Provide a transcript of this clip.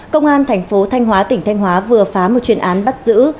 công an tp thanh hóa tp thanh hóa vừa phá một chuyên án bắt giữ